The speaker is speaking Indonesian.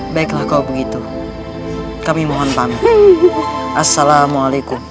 baiklah kalau begitu kami mohon pamit assalamualaikum